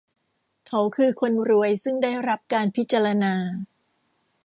เขาคือคนรวยซึ่งได้รับการพิจารณา